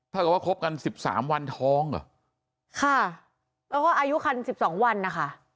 ถ้าเกิดว่าคบกันสิบสามวันท้องเหรอค่ะแล้วก็อายุคันสิบสองวันนะคะ